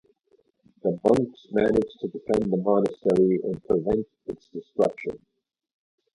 The monks managed to defend the monastery and prevent its destruction.